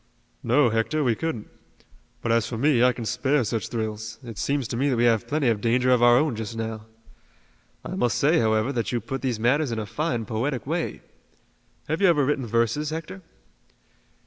"No, Hector, we couldn't. But, as for me, I can spare such thrills. It seems to me that we have plenty of danger of our own just now. I must say, however, that you put these matters in a fine, poetic way. Have you ever written verses, Hector?"